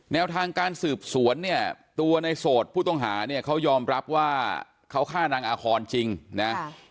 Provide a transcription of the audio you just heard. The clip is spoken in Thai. แนวทางการสืบสวนเนี่ยตัวในโสดผู้ต้องหาเนี่ยเขายอมรับว่าเขาฆ่านางอาคอนจริงนะ